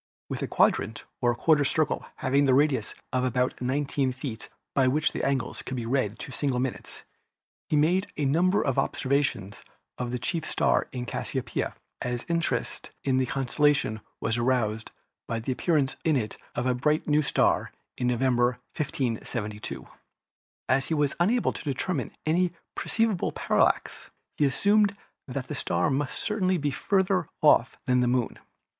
With a quadrant or quarter circle having a radius of about 19 feet, by which the angles could be read to single minutes, he made a number of observations of the chief star in Cassiopeia, as interest in this constellation was aroused by the appear ance in it of a brilliant new star in November, 1572. As he was unable to determine any perceptible parallax, he as sumed that the star must certainly be farther off than the Moon.